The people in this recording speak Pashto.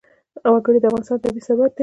وګړي د افغانستان طبعي ثروت دی.